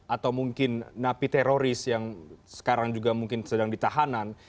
atau mungkin napi teroris yang sekarang juga mungkin sedang ditahanan